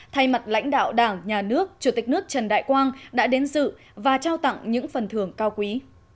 thay mặt lãnh đạo đảng nhà nước chủ tịch nước trần đại quang đã đến dự và trao tặng những phần thưởng cao quý